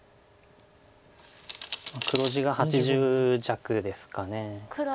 黒地が８０弱ですか。